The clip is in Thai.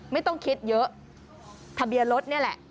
ไม่ต้องคิดเยอะทะเบียนรถนี่แหละ